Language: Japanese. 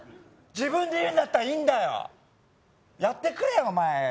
自分で言うんだったらいいんだよ。やってくれよお前。